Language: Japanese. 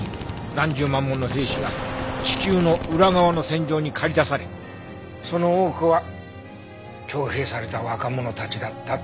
何十万もの兵士が地球の裏側の戦場に駆り出されその多くは徴兵された若者たちだったって言うね。